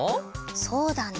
そうだな。